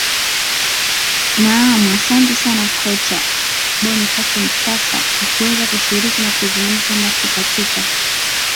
naam asante sana kocha bonifas mkwasa kwa kuweza kushiriki na kuzungumza nasi katika